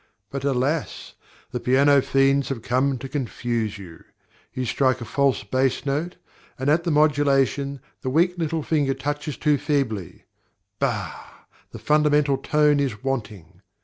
But alas! the piano fiends have come to confuse you! You strike a false bass note, and at the modulation the weak little finger touches too feebly: bah! the fundamental tone is wanting.